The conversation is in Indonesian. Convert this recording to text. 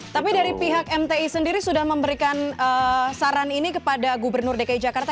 tapi dari pihak mti sendiri sudah memberikan saran ini kepada gubernur dki jakarta